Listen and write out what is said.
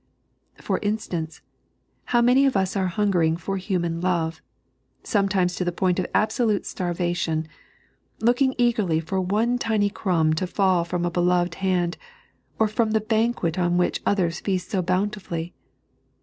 For instance, how many of us are hungering for Aumon love, sometimes to the point of absolute starvation, looking eagerly for one tiny crumb to fall from a beloved hand, or from the banquet on which others feast so bountifully